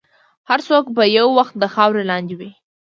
هر څوک به یو وخت د خاورې لاندې وي.